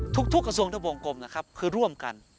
ทุกกระทรวงทุกวงกลมนะครับคือร่วมกัน